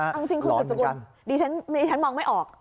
เอาจริงคุณสุดสกุลดิฉันมองไม่ออก